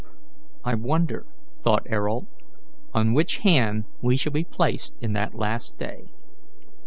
"I wonder," thought Ayrault, "on which hand we shall be placed in that last day."